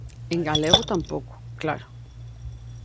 En galego tampouco, claro...